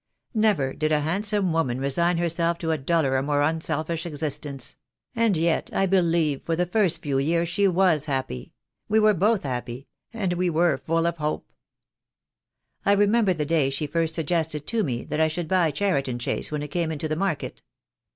Never did a hand some woman resign herself to a duller or more unselfish existence — and yet I believe for the first few years she 13* 10,6 THE DAY WILL COME. was happy. We were both happy — and we were full of hope. "I remember the day she first suggested to me that I should buy Cheriton Chase when it came into the market.